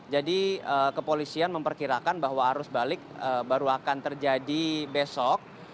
jadi kepolisian memperkirakan bahwa arus balik baru akan terjadi besok